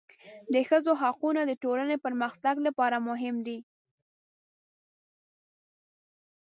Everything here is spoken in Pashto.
د ښځو حقونه د ټولنې پرمختګ لپاره مهم دي.